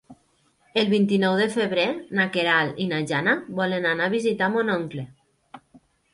El vint-i-nou de febrer na Queralt i na Jana volen anar a visitar mon oncle.